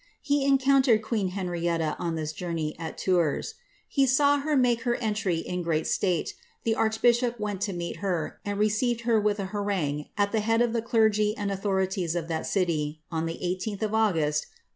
He eaeountered queea Henrietta on this jonmey, at Toura ; he nw her make her entry in great state; the archbishop went to meet her, and received her with an harangue at the head of the clergy and authori ties of that city, on the 18th of August, O.